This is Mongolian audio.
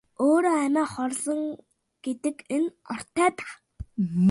Өөрөө амиа хорлосон гэдэг нь ортой байх.